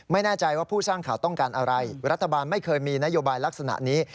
ไม่แน่ใจว่าผู้สร้างข่าวต้องการอะไรรัฐบาลไม่เคยมีนโยบายลักษณะนี้